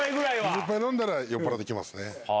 ２０杯飲んだら酔っぱらいます。